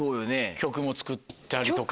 曲も作ったりとか。